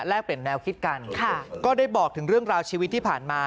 เปลี่ยนแนวคิดกันก็ได้บอกถึงเรื่องราวชีวิตที่ผ่านมา